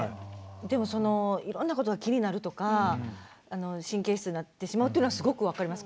でもそのいろんなことが気になるとか神経質になってしまうというのはすごく分かります。